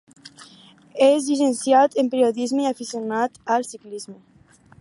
És llicenciat en Periodisme i aficionat al ciclisme.